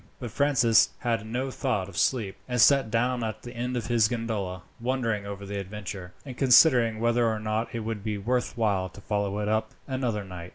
But Francis had no thought of sleep, and sat down at his end of the gondola, wondering over the adventure, and considering whether or not it would be worth while to follow it up another night.